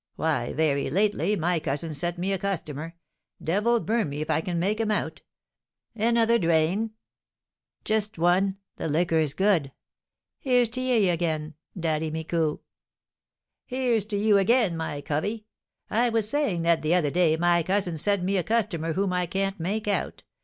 Why, very lately, my cousin sent me a customer, devil burn me if I can make him out! Another drain?" "Just one; the liquor's good. Here's t'ye again, Daddy Micou!" "Here's to you again, my covey! I was saying that the other day my cousin sent me a customer whom I can't make out.